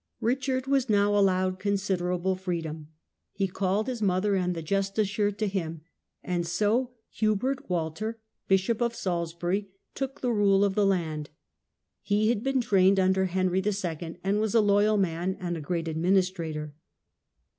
Richard was now allowed considerable freedom. He called his mother and the justiciar to him, and so Hubert Walter, Bishop of SaHsbury, took the rule of the land. He had been trained under Henry II., and was a loyal man and a great administrator.